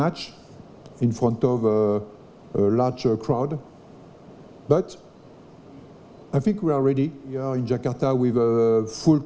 karena itu kita harus membuat persembahan yang kuat untuk besok